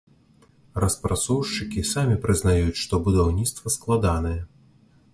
Распрацоўшчыкі самі прызнаюць, што будаўніцтва складанае.